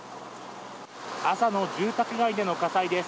朝の住宅街での火災です。